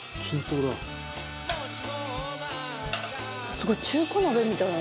すごい、中華鍋みたいな。